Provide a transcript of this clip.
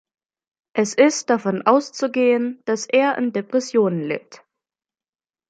Es ist davon auszugehen, dass er an Depressionen litt.